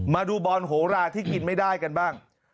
มาดูบอลโหราที่กินไม่ได้กันบ้าง